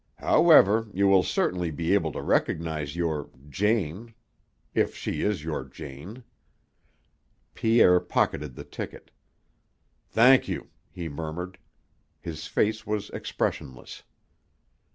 However, you will certainly be able to recognize your Jane, if she is your Jane." Pierre pocketed the ticket. "Thank you," he murmured. His face was expressionless.